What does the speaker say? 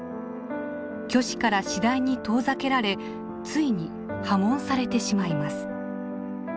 虚子から次第に遠ざけられついに破門されてしまいます。